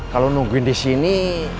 kalau nungguin disini